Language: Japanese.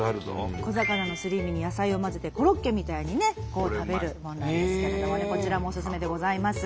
小魚のすり身に野菜を混ぜてコロッケみたいにね食べるもんなんですけれどもねこちらもオススメでございます。